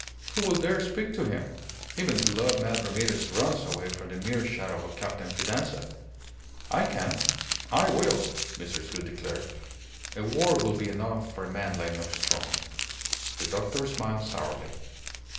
"Who will dare speak to him? Even the love mad Ramirez runs away from the mere shadow of Captain Fidanza." "I can. I will," Mrs. Gould declared. "A word will be enough for a man like Nostromo." The doctor smiled sourly.